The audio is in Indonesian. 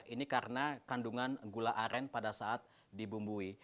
ini karena kandungan gula aren pada saat dibumbui